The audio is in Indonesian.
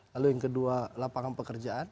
lalu yang kedua lapangan pekerjaan